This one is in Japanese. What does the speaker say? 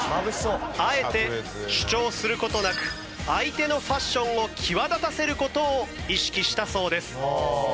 あえて主張する事なく相手のファッションを際立たせる事を意識したそうです。